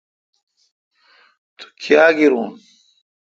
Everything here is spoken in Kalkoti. تو کاں گیرون۔